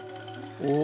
お！